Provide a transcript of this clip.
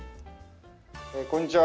こんにちは。